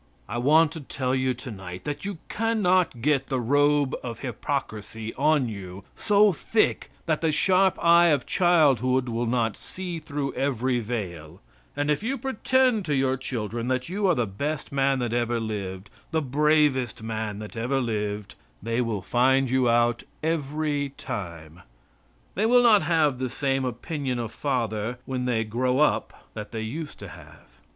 I want to tell you tonight that you can not get the robe of hypocrisy on you so thick that the sharp eye of childhood will not see through every veil, and if you pretend to your children that you are the best man that ever lived the bravest man that ever lived they will find you out every time. They will not have the same opinion of father when they grow up that they used to have.